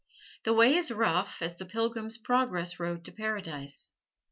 The way is rough as the Pilgrim's Progress road to Paradise.